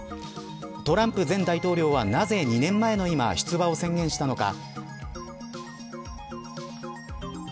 トランプ前大統領はなぜ２年前の今出馬を宣言したのか。